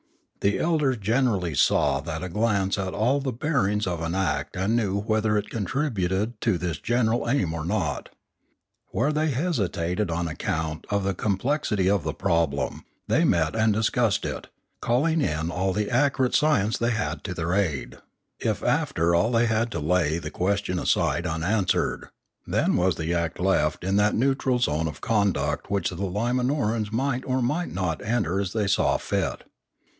The elders generally saw at a glance all the bearings of an act and knew whether it contributed to this general aim or not. Where they hesitated on account of the complexity of the problem, they met and discussed it, calling in all the accurate science they had to their aid; if after all they had to lay the question aside unanswered, then was the act left in that neutral zone of conduct which the Lima norans might or might not enter as they saw fit.